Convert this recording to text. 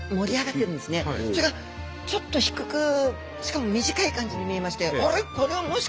それがちょっと低くしかも短い感じに見えまして。